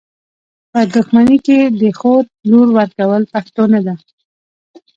په دښمني کي د خور لور ورکول پښتو نده .